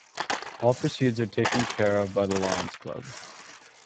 All proceeds are taken care of by the Lions Club.